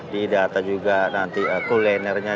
di data juga nanti kulinernya